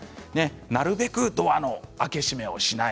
なるべくドアの開け閉めをしない。